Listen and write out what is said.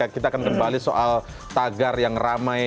kita akan kembali soal tagar yang ramai